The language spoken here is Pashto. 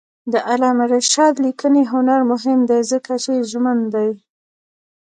د علامه رشاد لیکنی هنر مهم دی ځکه چې ژمن دی.